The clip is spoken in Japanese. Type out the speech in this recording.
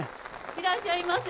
いらっしゃいませ。